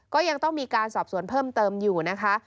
ก็ยังต้องมีการสอบสวนเพิ่มเติมอยู่นะคะ